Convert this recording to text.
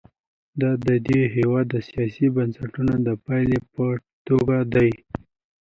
دا د دې هېواد د سیاسي بنسټونو د پایلې په توګه دي.